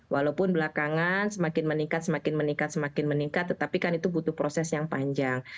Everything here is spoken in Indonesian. walaupun belakangan semakin meningkat semakin meningkat semakin meningkat tetapi kan itu butuh proses yang panjang